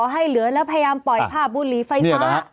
ให้เหลือแล้วพยายามปล่อยผ้าบุหรี่ไฟฟ้า